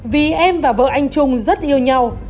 vì em và vợ anh trung rất yêu nhau